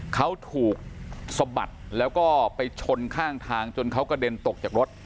เขาถูกสะบัดแล้วก็ไปชนข้างทางจนเขากระเด็นตกจากรถ